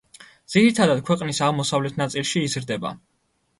ძირითადად ქვეყნის აღმოსავლეთ ნაწილში იზრდება.